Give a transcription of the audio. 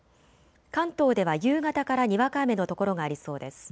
関東では夕方からにわか雨の所がありそうです。